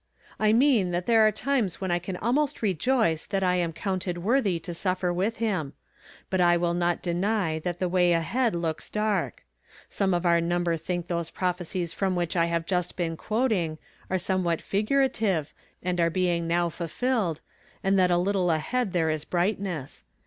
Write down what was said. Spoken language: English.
"I mean that there are times when I can almost rejoice that I am counted worthy to suffer with him ; but I will not deny that the way ahead looks dark. Some of our numixn thiidc those prophecies from which I have just been quoting are some what figurative, and are being now fulfilled, and that a little ahead there is biightness.